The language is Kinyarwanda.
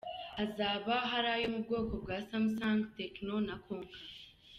Hazaba hari ayo mu bwoko bwa Samsung, Techno na Konka.